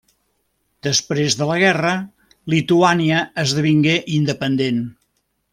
Després de la guerra, Lituània esdevingué independent.